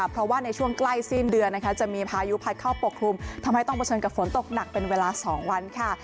เพราะว่าในช่วงใกล้สิ้นเดือนนะคะจะมีพายุพัดเข้าปกคลุมทำให้ต้องเผชิญกับฝนตกหนักเป็นเวลา๒วันค่ะ